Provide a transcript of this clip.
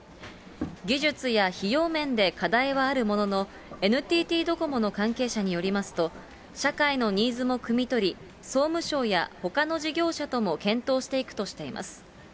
技術や費用面で課題はあるものの、ＮＴＴドコモの関係者によりますと、社会のニーズもくみ取り、総務省やほかの事業者とも検討していくとしています。